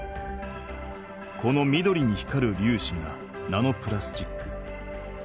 この緑に光るりゅうしがナノプラスチック。